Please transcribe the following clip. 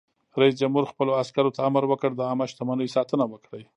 رئیس جمهور خپلو عسکرو ته امر وکړ؛ د عامه شتمنیو ساتنه وکړئ!